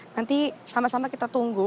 nanti sama sama kita tunggu